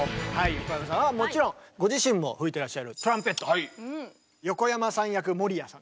横山さんはもちろんご自身も吹いてらっしゃる横山さん役守屋さんです。